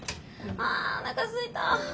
あおなかすいた！